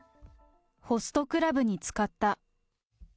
ホストクラブに使った。